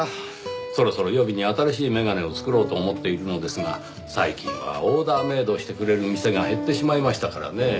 そろそろ予備に新しい眼鏡を作ろうと思っているのですが最近はオーダーメイドしてくれる店が減ってしまいましたからねぇ。